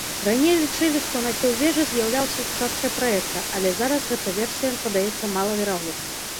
Раней лічылі, што нахіл вежы з'яўляўся часткай праекта, але зараз гэтая версія падаецца малаверагоднай.